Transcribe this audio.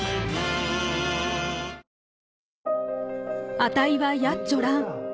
「あたいはやっちょらん」